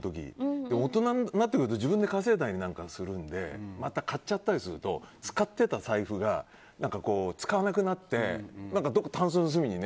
大人になってくると自分で稼いだりするのでまた買っちゃったりすると使ってた財布が使わなくなってたんすの隅に。